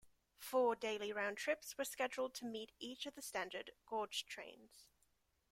Four daily round trips were scheduled to meet each of the standard gauge trains.